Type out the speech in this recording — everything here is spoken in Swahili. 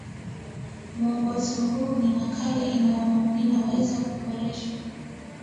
Mwongozo huu ni nakala inayoweza kuboreshwa